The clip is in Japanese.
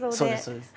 そうです。